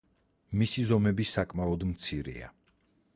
მისი ზომები საკმაოდ მცირეა.